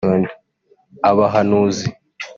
abahanuzi